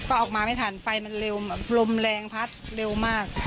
ก็ออกมาไม่ทันไฟมันเร็วลมแรงพัดเร็วมาก